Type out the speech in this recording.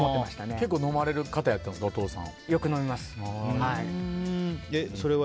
結構飲まれる方やったんですかお父さんは。